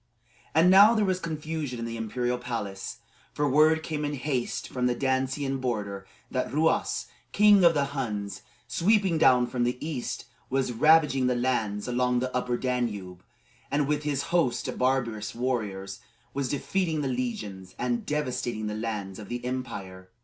And now there was confusion in the imperial palace; for word came in haste from the Dacian border that Ruas, king of the Huns, sweeping down from the east, was ravaging the lands along the Upper Danube, and with his host of barbarous warriors was defeating the legions and devastating the lands of the empire.